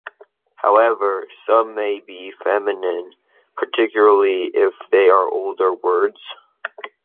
However, some may be feminine, particularly if they are older words.